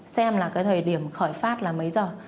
xem là cái thời điểm khởi phát là mấy giờ